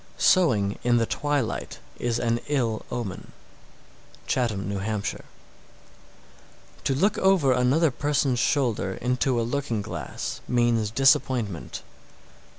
_ 678. Sewing in the twilight is an ill omen. Chatham, N.H. 679. To look over another person's shoulder into a looking glass means disappointment.